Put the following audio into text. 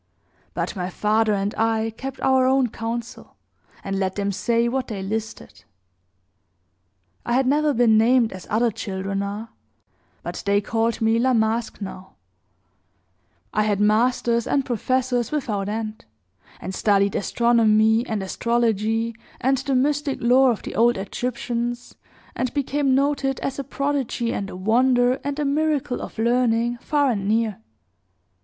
But my father and I kept our own council, and let them say what they listed. I had never been named, as other children are; but they called me La Masque now. I had masters and professors without end, and studied astronomy and astrology, and the mystic lore of the old Egyptians, and became noted as a prodigy and a wonder, and a miracle of learning, far and near.